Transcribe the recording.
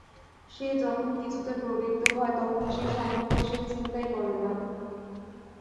সে যখন কিছুতে প্রবৃত্ত হয় তখন সে সম্বন্ধে সে চিন্তাই করে না।